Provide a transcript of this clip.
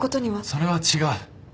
それは違う。